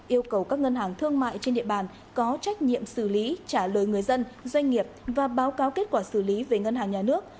yêu cầu các ngân hàng thương mại trên địa bàn có trách nhiệm xử lý trả lời người dân doanh nghiệp và báo cáo kết quả xử lý về ngân hàng nhà nước